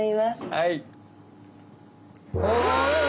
はい。